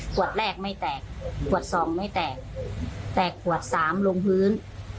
ขวดแรกไม่แตกขวดสองไม่แตกแตกขวดสามลงพื้น